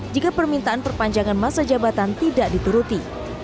jika permintaan perpanjangan masa jabatan tidak dituruti